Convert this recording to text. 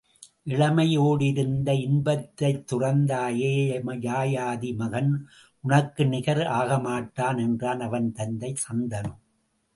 இளமையோடிருந்து இன்பத்தைத்துறந்தாயே யயாதி மகன் உனக்கு நிகர் ஆக மாட்டான் என்றான் அவன் தந்தை சந்தனு.